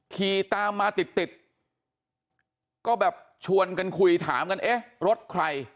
ขี่ตามมาติดติดก็แบบชวนกันคุยถามกันเอ๊ะรถใคร